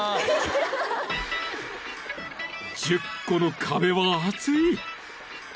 ［１０個の壁は厚い］